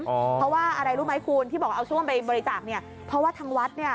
เพราะว่าอะไรรู้ไหมคุณที่บอกเอาช่วงไปบริจาคเนี่ยเพราะว่าทางวัดเนี่ย